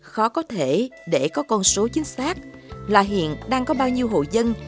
khó có thể để có con số chính xác là hiện đang có bao nhiêu hộ dân